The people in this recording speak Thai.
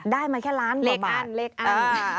ได้มาแค่ล้านกว่าบาทเล็กอัน